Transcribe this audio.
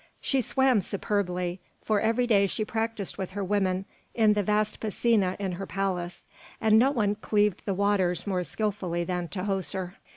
She swam superbly, for every day she practised with her women in the vast piscina in her palace, and no one cleaved the waters more skilfully than Tahoser.